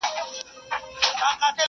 يوه ورځ بيا پوښتنه راپورته کيږي.